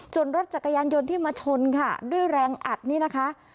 ส่วนรถจักรยานยนต์ที่มาชนค่ะด้วยแรงอัดนี่นะคะ